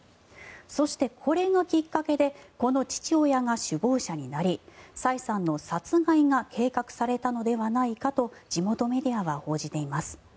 そして、これがきっかけでこの父親が首謀者になりサイさんの殺害が計画されたのではないかと地元メディアは報じています。